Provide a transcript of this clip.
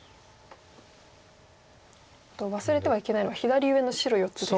忘れてはいけないのは左上の白４つですか。